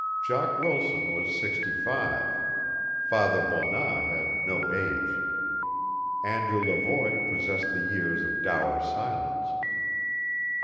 Jock Wilson was sixty five; Father Bonat had no age; Andrew Levoy possessed the years of dour silence.